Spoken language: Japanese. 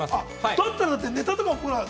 ◆だったら、ネタとかもね。